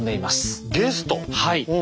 はい。